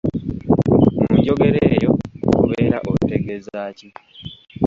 Mu njogera eyo obeera otegeeza ki?